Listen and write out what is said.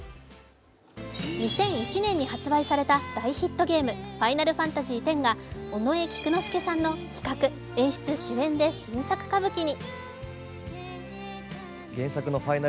２００１年に発売された大ヒットゲーム「ファイナルファンタジーⅩ」が尾上菊之助さんの企画・演出・主演で新作歌舞伎に。